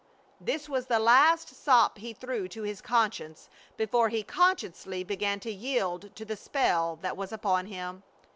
This was the last sop he threw to his conscience before he consciously began to yield to the spell that was upon him.